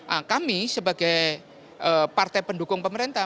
nah kami sebagai partai pendukung pemerintah